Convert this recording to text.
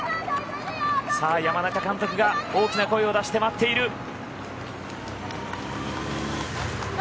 山中監督が大きな声を出して待っている。